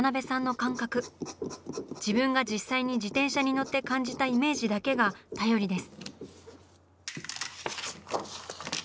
自分が実際に自転車に乗って感じたイメージだけが頼りです。